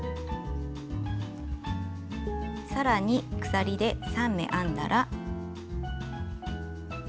さらに鎖で３目編んだら。